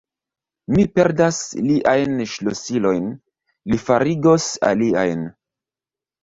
Mi perdas liajn ŝlosilojn: li farigos aliajn.